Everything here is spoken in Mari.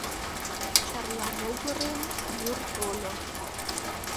Чарла могырым йӱр тольо.